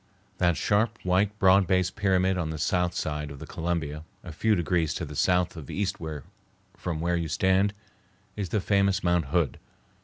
That sharp, white, broad based pyramid on the south side of the Columbia, a few degrees to the south of east from where you stand, is the famous Mount Hood.